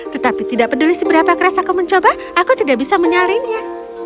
tetapi tidak peduli seberapa keras aku mencoba aku tidak bisa menyalinnya